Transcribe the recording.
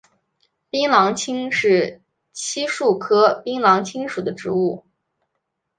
槟榔青是漆树科槟榔青属的植物。